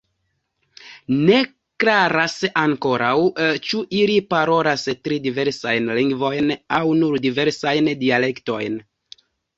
Ne klaras ankoraŭ, ĉu ili parolas tri diversajn lingvojn aŭ nur diversajn dialektojn.